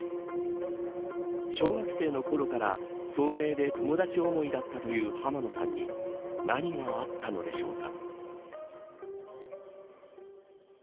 小学生のころから聡明で友達思いだったという濱野さんに何があったのでしょうか。